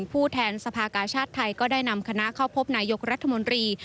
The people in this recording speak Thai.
ผู้แทนสภากาชาติไทยก็ได้นำคณะเข้าพบนายกรัฐมนตรี